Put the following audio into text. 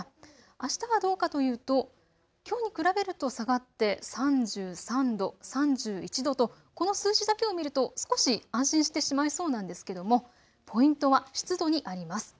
あしたはどうかというときょうに比べると下がって３３度、３１度とこの数字だけを見ると少し安心してしまいそうなんですけどもポイントは湿度にあります。